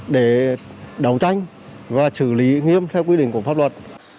để đấu tranh và xử lý nghiêm theo quy định của pháp luật